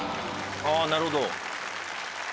あなるほど。